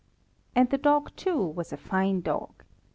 And the dog, too, was a fine dog.